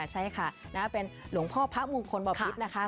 ใช่ค่ะเป็นหลวงพ่อพระมงคลบพิษนะคะ